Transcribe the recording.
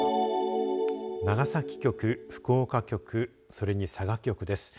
長崎局、福岡局それに佐賀局です。